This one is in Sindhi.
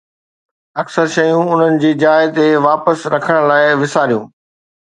اڪثر شيون انهن جي جاء تي واپس رکڻ لاء وساريو